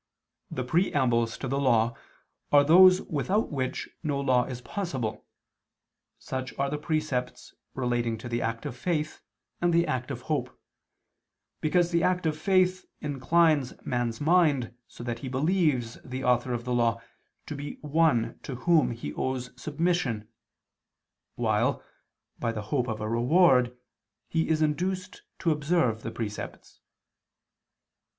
The preambles to the Law are those without which no law is possible: such are the precepts relating to the act of faith and the act of hope, because the act of faith inclines man's mind so that he believes the Author of the Law to be One to Whom he owes submission, while, by the hope of a reward, he is induced to observe the precepts.